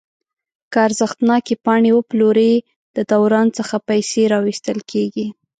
که ارزښتناکې پاڼې وپلوري د دوران څخه پیسې راویستل کیږي.